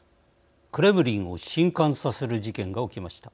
クレムリンをしんかんさせる事件が起きました。